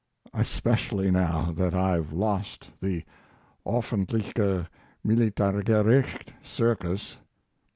Especially now that I've lost the 'offentliche Militargericht circus'.